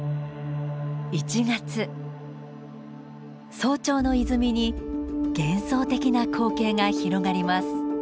早朝の泉に幻想的な光景が広がります。